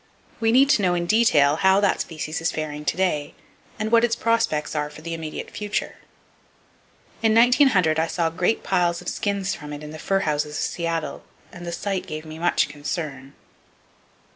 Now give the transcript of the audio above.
We need to know in detail how that species is faring to day, and what its prospects are for the immediate future. In 1900, I saw great piles of skins from it in the fur houses of Seattle, and the sight gave me much concern.